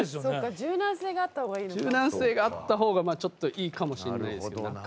柔軟性があった方がちょっといいかもしれないですけど。